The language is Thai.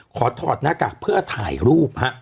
ถอดหน้ากากเพื่อถ่ายรูปฮะ